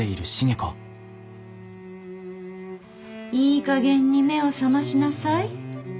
いいかげんに目を覚ましなさい。